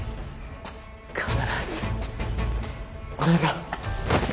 必ず俺が。